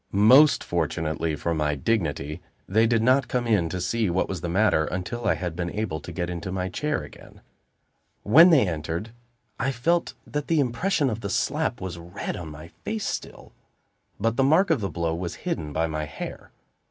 Most fortunately for my dignity, they did not come in to see what was the matter until I had been able to get into my chair again. When they entered, I felt that the impression of the slap was red on my face still, but the mark of the blow was hidden by my hair.